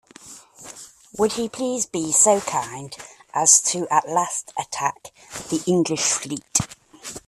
Would he please be so kind as to at last attack the English fleet?